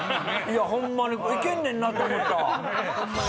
いやホンマに行けんねんな！と思った。